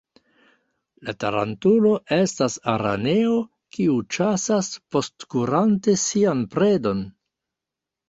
La tarantulo estas araneo, kiu ĉasas postkurante sian predon.